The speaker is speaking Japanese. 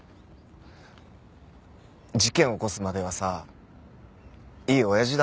事件を起こすまではさいい親父だったんだよ。